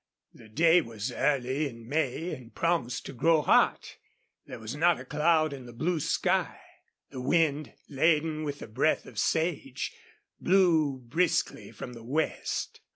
The day was early in May and promised to grow hot. There was not a cloud in the blue sky. The wind, laden with the breath of sage, blew briskly from the west.